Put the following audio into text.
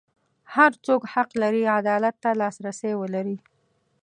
هر څوک حق لري عدالت ته لاسرسی ولري.